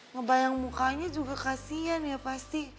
ngebayang mukanya juga kasian ya pasti